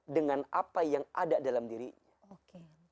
dengan apa yang ada dalam dirinya oke